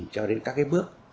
cho đến các cái bước